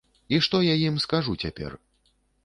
І што я ім скажу цяпер?